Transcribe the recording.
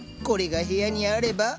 これが部屋にあれば。